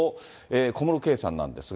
小室圭さんなんですが。